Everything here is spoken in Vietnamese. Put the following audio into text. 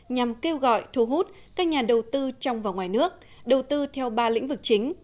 nhằm kêu gọi thu hút các nhà đầu tư trong và ngoài nước đầu tư theo ba lĩnh vực chính